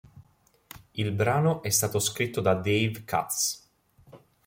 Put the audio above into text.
Il brano è stato scritto da Dave Katz.